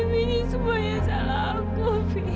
luffy ini semua salah aku luffy